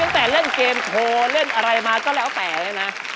แต่เล่นเกมโทรเล่นอะไรมาก็แล้วแต่เลยนะ